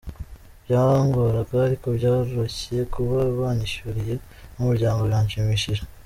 Byangoraga ariko byoroshye, kuba banyishyuriye n’umuryango biranshimishije.